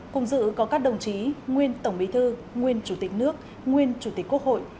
cùng dự có các đồng chí nguyên tổng bí thư nguyên chủ tịch nước nguyên chủ tịch quốc hội